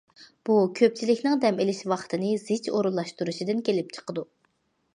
بۇ، كۆپچىلىكنىڭ دەم ئېلىش ۋاقتىنى زىچ ئورۇنلاشتۇرۇشىدىن كېلىپ چىقىدۇ.